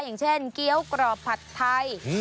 อย่างเช่นเกี้ยวกรอบผัดไทย